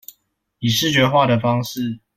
以視覺化的方式